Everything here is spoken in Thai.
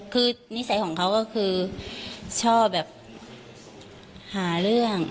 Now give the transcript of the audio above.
คือนิสัยของเขาก็คือชอบแบบหาเรื่อง